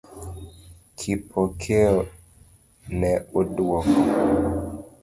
Kipokeo ne oduoko